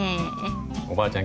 おばあちゃん